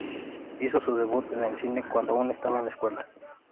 Hizo su debut en el cine cuando aún estaba en la escuela.